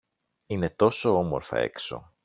Είναι τόσο όμορφα έξω!